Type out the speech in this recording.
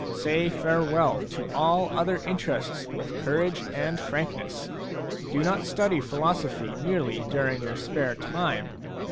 Say farewell to all other interests with courage and frankness. Do not study philosophy merely during your spare time.